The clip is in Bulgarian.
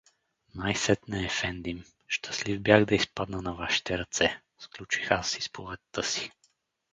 Най-сетне, ефендим, щастлив бях да изпадна на вашите ръце — сключих аз изповедта си.